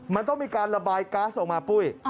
มันต้องมีการระบายก๊าซออกมาปุ้ย